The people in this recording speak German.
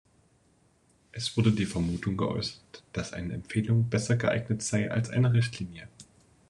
Es wurde die Vermutung geäußert, dass eine Empfehlung besser geeignet sei als eine Richtlinie.